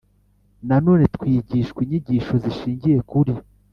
Nanone twigishwa inyigisho zishingiye kuri